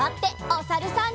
おさるさん。